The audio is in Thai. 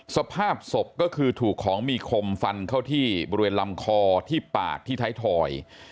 สภาพศพก็คือถูกของมีคมฟันเข้าที่บริเวณลำคอที่ปากที่ไทยทอย